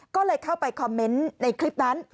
ก็เลยเข้าไปคอมเมนต์ในคลิปนั้น